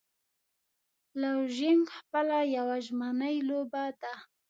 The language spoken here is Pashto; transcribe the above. لوژینګ خپله یوه ژمنی لوبه ده.